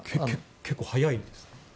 結構早いですね。